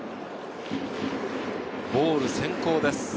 ボール先行です。